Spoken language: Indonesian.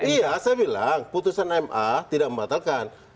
iya saya bilang putusan ma tidak membatalkan